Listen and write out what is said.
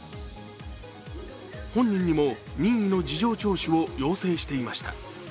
本人にも任意の事情聴取を要請していました。